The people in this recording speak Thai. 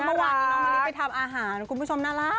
น้องมะลิกไปทำอาหารคุณผู้ชมน่ารัก